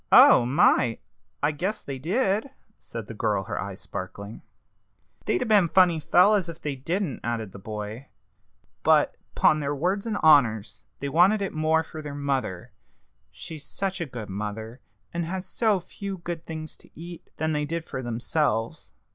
"Oh, my! I guess they did!" said the girl, her eyes sparkling. "They'd 'a been funny fellows if they didn't," added the boy; "but, 'pon their words and honors, they wanted it more for their mother she's such a good mother, and has so few good things to eat than they did for themselves.